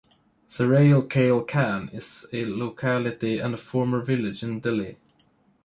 Sarai Kale Khan is a locality and a former village in Delhi.